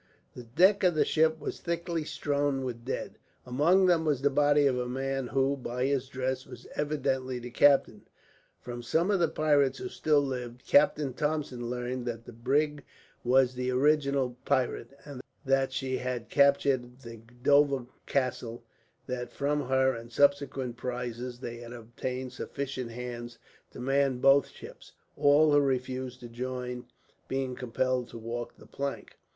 The deck of the ship was thickly strewn with dead. Among them was the body of a man who, by his dress, was evidently the captain. From some of the pirates who still lived, Captain Thompson learned that the brig was the original pirate, that she had captured the Dover Castle, that from her and subsequent prizes they had obtained sufficient hands to man both ships, all who refused to join being compelled to walk the plank.